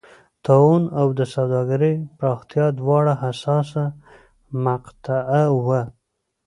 طاعون او د سوداګرۍ پراختیا دواړه حساسه مقطعه وه.